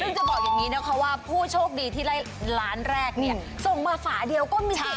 ซึ่งจะบอกอย่างนี้นะคะว่าผู้โชคดีที่ได้ล้านแรกเนี่ยส่งมาฝาเดียวก็มี